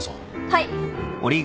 はい！